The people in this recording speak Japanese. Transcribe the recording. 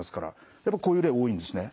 やっぱこういう例多いんですね？